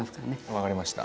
分かりました。